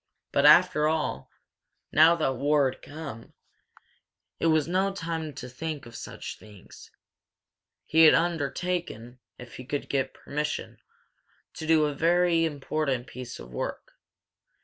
But, after all, now that war had come, it was no time to think of such things. He had undertaken, if he could get permission, to do a certain very important piece of work.